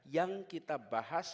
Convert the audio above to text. yang kita bahas